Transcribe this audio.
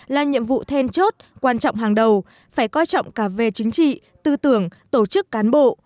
là nhiệm vụ then chốt quan trọng hàng đầu phải coi trọng cả về chính trị tư tưởng tổ chức cán bộ